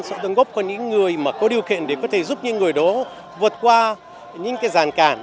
sự đồng góp của những người có điều kiện để giúp những người đó vượt qua những giàn cản